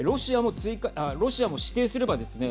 ロシアも指定すればですね